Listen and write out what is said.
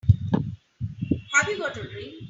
Have you got a ring?